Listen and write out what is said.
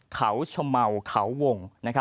เขาชะเมาเขาวง